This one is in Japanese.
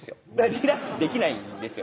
リラックスできないんですよね